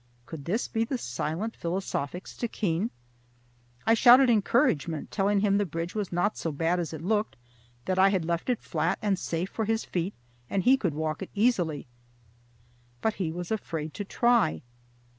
Could this be the silent, philosophic Stickeen? I shouted encouragement, telling him the bridge was not so bad as it looked, that I had left it flat and safe for his feet, and he could walk it easily. But he was afraid to try.